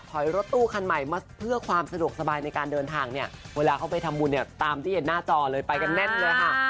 รถตู้คันใหม่มาเพื่อความสะดวกสบายในการเดินทางเนี่ยเวลาเขาไปทำบุญเนี่ยตามที่เห็นหน้าจอเลยไปกันแน่นเลยค่ะ